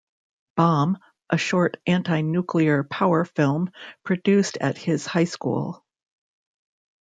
Bomb, a short anti-nuclear power film produced at his high school.